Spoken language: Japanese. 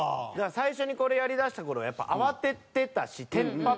最初にこれやりだした頃やっぱ慌ててたしテンパってたんですよ。